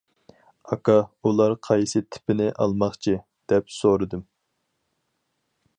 -ئاكا ئۇلار قايسى تىپىنى ئالماقچى؟ دەپ سورىدىم.